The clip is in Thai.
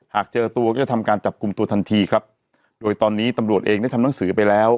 หากเจอตัวก็จะทำการจับกลุ่มตัวทันทีครับโดยตอนนี้ตำรวจเองได้ทำหนังสือไปแล้ว